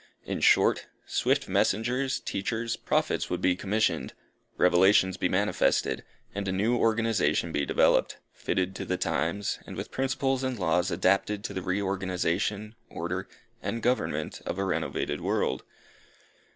In short, "Swift Messengers," "Teachers," Prophets would be commissioned, revelations be manifested, and a new organization be developed, fitted to the times, and with principles and laws adapted to the reorganization, order, and government of a renovated world.